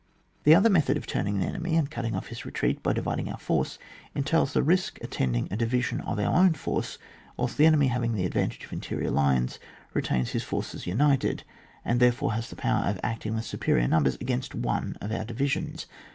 The other method of turning the enemy, and cutting ofiPhis retreat by dividing our force, entails the risk attending a division of our own force, whilst the enemy, having the advantage of interior lines, retains his forces united, and therefore has the power of acting with superior numbers against one of our divisions.